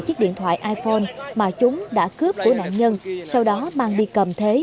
chiếc điện thoại iphone mà chúng đã cướp của nạn nhân sau đó mang đi cầm thế